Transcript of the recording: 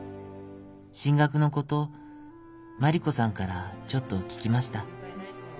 進学のこと茉莉子さんからちょっと聞きました。